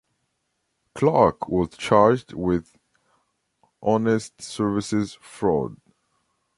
Clark was charged with "honest services fraud".